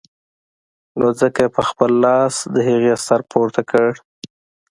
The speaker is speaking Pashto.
نو ځکه يې په خپل لاس د هغې سر پورته کړ.